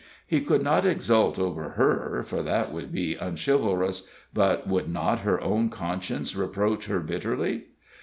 He could not exult over her, for that would be unchivalrous; but would not her own conscience reproach her bitterly?